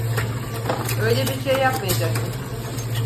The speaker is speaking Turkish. Öyle bir şey yapmayacaksın.